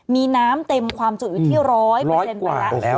มีน้ำเต็มความจุอยู่ที่๑๐๐ไปแล้ว